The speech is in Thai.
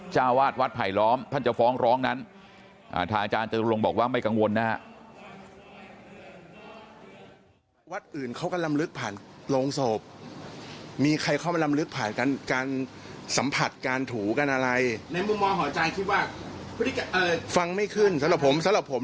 เจ้าวาดวัดไผลล้อมท่านจะฟ้องร้องนั้นทางอาจารย์จตุรงค์บอกว่าไม่กังวลนะฮะ